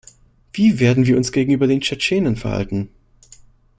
Wie werden wir uns gegenüber den Tschetschenen verhalten?